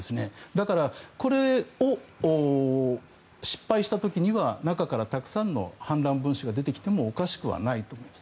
だからこれを失敗した時には中からたくさんの反乱分子が出てきてもおかしくはないと思います。